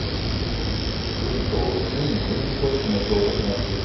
軍と準軍事組織の衝突が続く